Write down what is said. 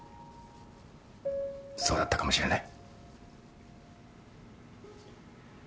そうだったかもしれない。